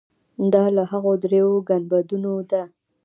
دا له هغو درېیو ګنبدونو ده.